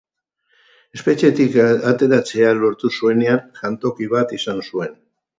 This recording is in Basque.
Espetxetik ateratzea lortu zuenean, jantoki bat izan zuen.